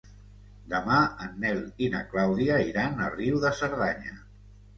Demà en Nel i na Clàudia iran a Riu de Cerdanya.